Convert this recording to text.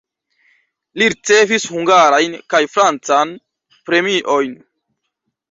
Li ricevis hungarajn kaj francan premiojn.